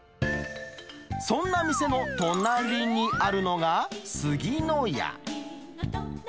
そんな店の隣にあるのが、すぎ乃家。